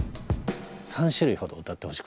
３種類ほど歌ってほしくて。